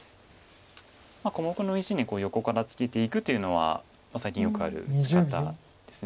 小目の石に横からツケていくというのは最近よくある打ち方です。